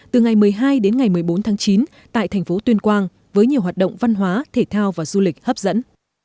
từ ngày một mươi hai đến ngày một mươi bốn tháng chín tại thành phố tuyên quang với nhiều hoạt động văn hóa thể thao và du lịch hấp dẫn